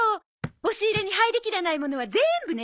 押し入れに入りきらないものは全部ね。